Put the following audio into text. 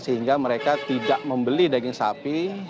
sehingga mereka tidak membeli daging sapi